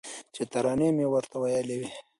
چي ترانې مي ورته ویلې